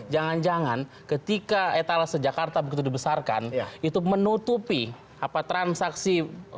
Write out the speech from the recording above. jangan jangan ketika etalase jakarta begitu dibesarkan itu menutupi apa transaksi politik transaksi sosial